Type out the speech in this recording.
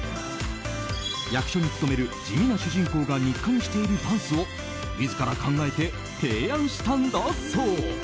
役所に勤める地味な主人公が日課にしているダンスを自ら考えて提案したんだそう。